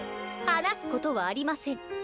「話すことはありません。